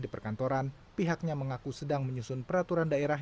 di perkantoran pihaknya mengaku sedang menyusun peraturan daerah